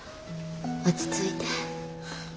落ち着いて。